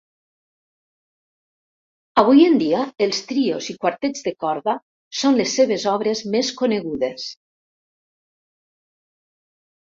Avui en dia, els trios i quartets de corda són les seves obres més conegudes.